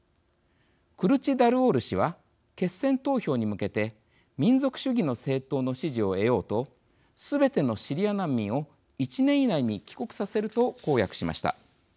クルチダルオール氏は決選投票に向けて民族主義の政党の支持を得ようとすべてのシリア難民を１年以内に帰国させると公約しました。